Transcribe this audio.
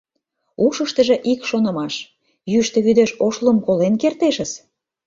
Ушыштыжо ик шонымаш: «Йӱштӧ вӱдеш Ошлум колен кертешыс».